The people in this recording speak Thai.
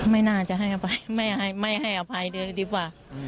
ไม่น่าจะให้อภัยไม่ให้อภัยเลยดีกว่า